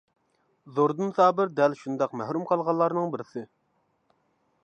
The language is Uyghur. زوردۇن سابىر دەل شۇنداق مەھرۇم قالغانلارنىڭ بىرسى.